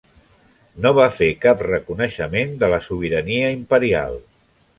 No va fer cap reconeixement de la sobirania imperial.